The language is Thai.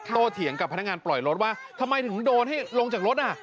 เถียงกับพนักงานปล่อยรถว่าทำไมถึงโดนให้ลงจากรถอ่ะ